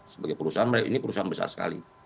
sebagai perusahaan ini perusahaan besar sekali